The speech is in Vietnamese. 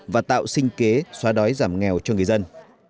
và tạo sinh kế xóa đói giảm nghèo cho người dân